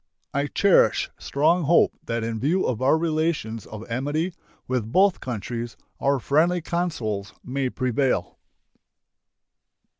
I cherish strong hope that in view of our relations of amity with both countries our friendly counsels may prevail.